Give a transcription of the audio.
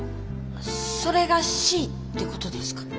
それがＣってことですか？